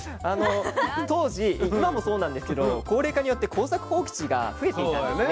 当時今もそうなんですけど高齢化によって耕作放棄地が増えていたんですね。